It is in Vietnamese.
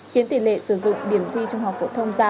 khiến tỷ lệ sử dụng điểm thi trung học phổ thông giảm